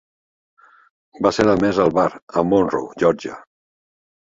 Va ser admès al bar a Monroe, Georgia